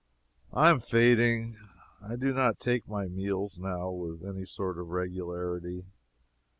I am fading. I do not take my meals now, with any sort of regularity.